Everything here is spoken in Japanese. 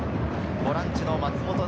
ボランチの松本凪